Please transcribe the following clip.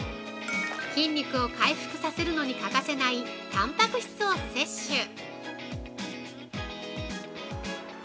筋肉を回復させるのに欠かせないたんぱく質を摂取。